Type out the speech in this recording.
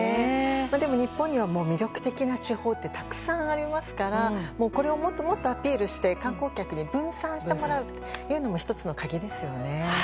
でも、日本には魅力的な地方がたくさんありますからこれをもっともっとアピールして観光客に分散してもらうのも１つの鍵ですよね。